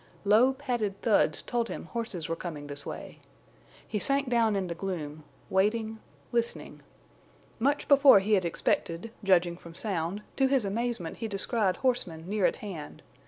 Low padded thuds told him horses were coming this way. He sank down in the gloom, waiting, listening. Much before he had expected, judging from sound, to his amazement he descried horsemen near at hand.